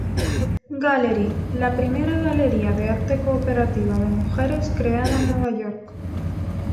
Gallery, la primera galería de arte cooperativa de mujeres creada en Nueva York.